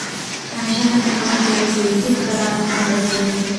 همېشه هڅه کوونکی اوسى؛ هېڅ کله مه تسلیمېږئ!